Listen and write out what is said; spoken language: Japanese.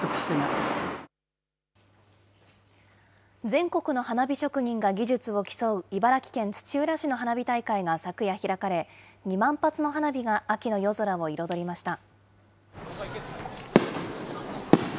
全国の花火職人が技術を競う茨城県土浦市の花火大会が昨夜開かれ、２万発の花火が秋の夜空を彩りました。